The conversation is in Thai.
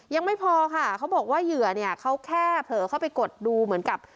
ยังไม่พอค่ะเขาบอกว่าเหยื่อเนี่ยเขาแค่เผลอเข้าไปกดดูเหมือนกับ